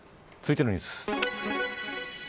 続いてのニュース。